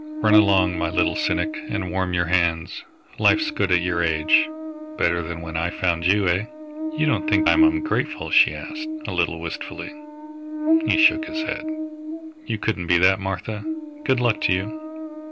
Run along, my little cynic, and warm your hands. Life's good at your age better than when I found you, eh?" "You don't think I am ungrateful?" she asked, a little wistfully. He shook his head. "You couldn't be that, Martha.... Good luck to you!"